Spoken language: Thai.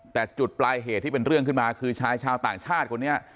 แต่จุดปลายเหตุที่เป็นเรื่องขึ้นมาคือชายชาวต่างชาติคนนี้